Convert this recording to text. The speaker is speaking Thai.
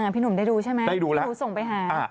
พี่หนุ่มได้ดูใช่ไหม